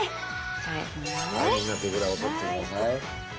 はいみんな手札を取って下さい。